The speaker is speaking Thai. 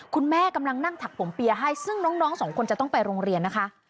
คุณแม่กำลังนั่งถักผมเปียร์ให้ซึ่งน้องสองคนจะต้องไปโรงเรียนนะคะ